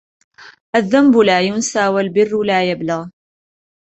الذَّنْبُ لَا يُنْسَى وَالْبِرُّ لَا يَبْلَى